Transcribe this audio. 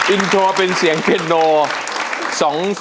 อินโทรเป็นเสียงเพนโน